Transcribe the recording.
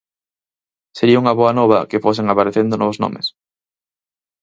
Sería unha boa nova que fosen aparecendo novos nomes.